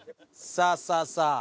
さあさあさあ